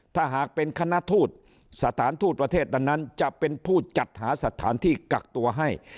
ถ้าหากเป็นคณะทูตสถานทูตประเทศดังนั้นจะเป็นผู้จัดหาสถานที่กักตัวให้